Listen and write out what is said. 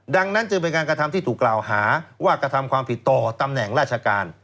ดังนั้นจึงเป็นการกระทำที่ถูกกล่าวหาว่ากระทำความผิดต่อตำแหน่งราชการ